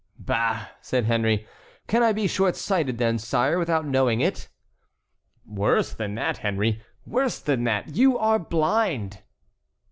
"Bah!" said Henry, "can I be short sighted, then, sire, without knowing it?" "Worse than that, Henry, worse than that, you are blind."